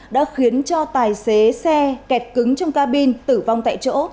đã khiến cho tài xế xe kẹt cứng trong cabin tử vong tại chỗ